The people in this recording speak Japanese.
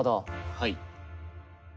はい。